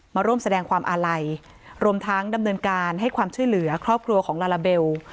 มาร่วมแสดงความอาลัยรวมทั้งดำเนินการให้ความช่วยเหลือครอบครัวของลาลาเบล